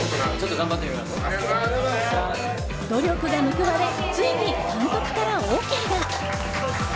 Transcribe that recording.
努力が報われついに監督からＯＫが。